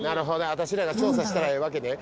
私らが調査したらええわけね。